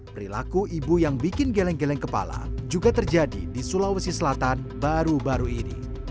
perilaku ibu yang bikin geleng geleng kepala juga terjadi di sulawesi selatan baru baru ini